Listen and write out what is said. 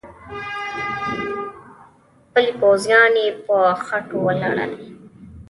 پلي پوځیان يې په خټو ولړل.